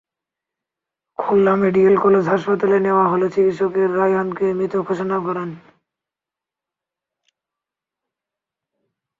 Khulna medical college হাসপাতালে নেওয়া হলে চিকিৎসকেরা রায়হানকে মৃত ঘোষণা করেন।